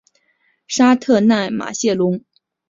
沙特奈马谢龙。